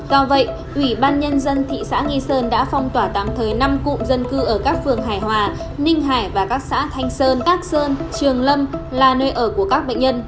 do vậy ủy ban nhân dân thị xã nghi sơn đã phong tỏa tạm thời năm cụm dân cư ở các phường hải hòa ninh hải và các xã thanh sơn tác sơn trường lâm là nơi ở của các bệnh nhân